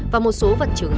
là sẽ có cọc